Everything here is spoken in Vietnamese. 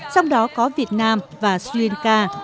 trong đó có việt nam và sri lanka